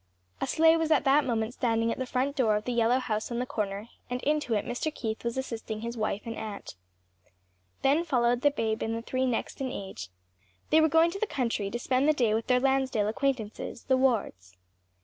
A sleigh was at that moment standing at the front door of the yellow house on the corner and into it Mr. Keith was assisting his wife and aunt. Then followed the babe and the three next in age. They were going to the country, to spend the day with their Lansdale acquaintances, the Wards.